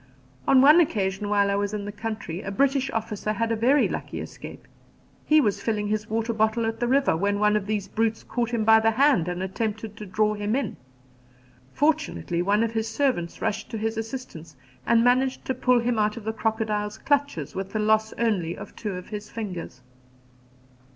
On one occasion while I was in the country a British officer had a very lucky escape. He was filling his water bottle at the river, when one of these brutes caught him by the hand and attempted to draw him in. Fortunately one of his servants rushed to his assistance and managed to pull him out of the crocodile's clutches with the loss only of two of his fingers.